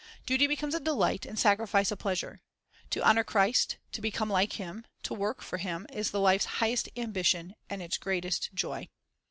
Duty becomes a delight, and sacrifice a pleasure. To honor Christ, to become like Him, to work for Him, is the life's highest ambition and its greatest joy.